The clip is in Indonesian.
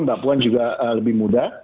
mbak puan juga lebih muda